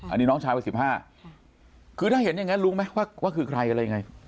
อันนี้น้องชายวัย๑๕คือถ้าเห็นอย่างนั้นรู้ไหมว่าคือใครอะไรยังไง